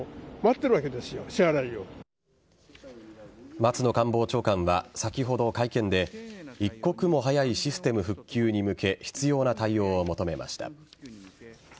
松野官房長官は先ほどの会見で一刻も早いシステム復旧に向け必要な対応を求めました。